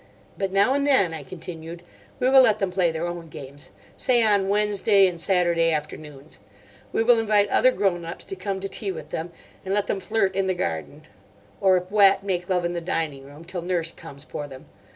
But now and then," I continued, "we will let them play their own games, say on Wednesday and Saturday afternoons. We will invite other grown ups to come to tea with them, and let them flirt in the garden, or if wet make love in the dining room, till nurse comes for them.